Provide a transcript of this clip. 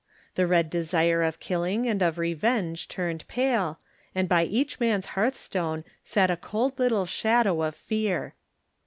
The red desire of killing and of revenge turned pale, and by each man's hearthstone sat a cold little shadow of fear.